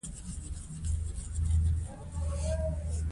د ولس ملاتړ په زور نه راځي